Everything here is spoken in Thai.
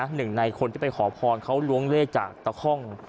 หนึ่งในคนที่ไปขอพรเขาล้วงเลขจากตะค่อง